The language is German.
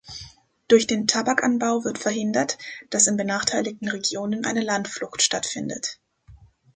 Durch den Tabakanbau wird verhindert, dass in benachteiligten Regionen eine Landflucht stattfindet.